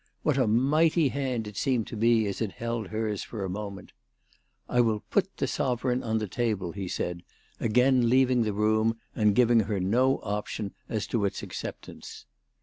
What a mighty hand it seemed to be as it held hers for a moment ! "I will put the sovereign on the table," he said, again leaving the room and giving her no option as to its acceptance.